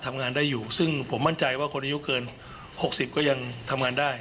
ทำงานได้อยู่ซึ่งผมมั่นใจว่าคนอายุเกิน๖๐ก็ยังทำงานได้